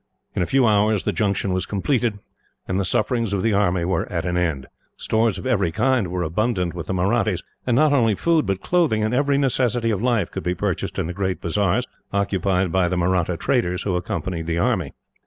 In a few hours, the junction was completed, and the sufferings of the army were at an end. Stores of every kind were abundant with the Mahrattis, and not only food, but clothing, and every necessary of life, could be purchased in the great bazaars, occupied by the Mahratta traders who accompanied the army.